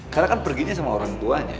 karena kan perginya sama orang tuanya